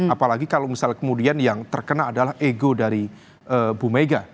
apalagi kalau misal kemudian yang terkena adalah ego dari bu mega